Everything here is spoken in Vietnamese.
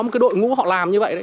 một đội ngũ họ làm như vậy